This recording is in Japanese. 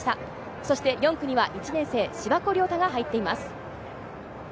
そして４区には１年生・柴戸遼太が入っています。